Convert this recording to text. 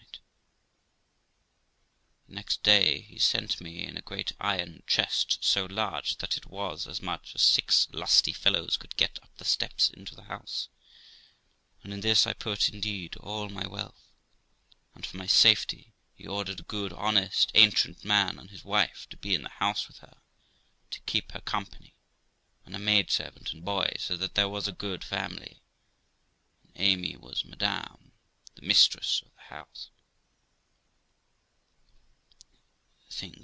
The next day he sent me in a great iron chest, so large that it was as much as six lusty fellows could get up the steps into the house; and in this I put, indeed, all my wealth; and for my safety he ordered a good, honest, ancient man and his wife to be in the house with her, to keep her company, and a maid servant and boy; so that there was a good family, and Amy was madam, the mistress of the house.